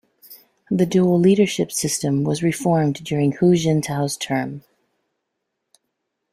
The dual-leadership system was reformed during Hu Jintao's term.